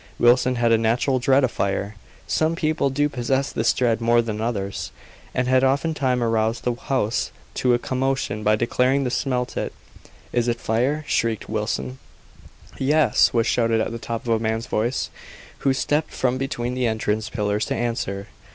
Wilson had a natural dread of fire some people do possess this dread more than others and had oftentime aroused the house to a commotion by declaring she smelt it. "Is it fire?" shrieked Wilson. "Yes!" was shouted at the top of a man's voice, who stepped from between the entrance pillars to answer.